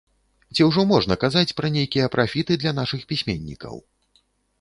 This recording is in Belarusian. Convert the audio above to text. Ці ўжо можна казаць пра нейкія прафіты для нашых пісьменнікаў?